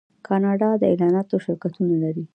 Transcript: کاناډا د اعلاناتو شرکتونه لري.